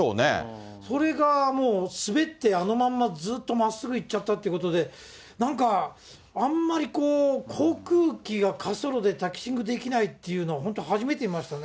それがもう、滑ってあのままずっと真っすぐ行っちゃったということで、なんか、あんまりこう、航空機が滑走路でできないっていうのは本当初めて見ましたね。